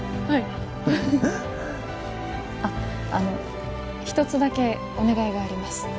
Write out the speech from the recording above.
はいあっあの一つだけお願いがあります